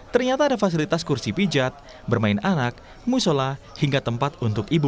ternyata ada fasilitas kursi pijat bermain anak musola hingga tempat untuk ibu